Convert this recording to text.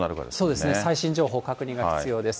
そうですね、最新情報、確認が必要です。